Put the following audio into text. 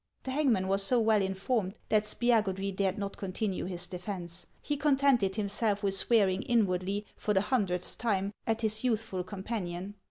The hangman was so well informed, that Spiagudry dared not continue his defence ; he contented himself with swearing inwardly, for the hundredth time, at his youthful companion.